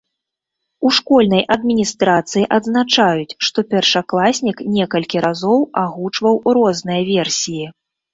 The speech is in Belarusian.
У школьнай адміністрацыі адзначаюць, што першакласнік некалькі разоў агучваў розныя версіі.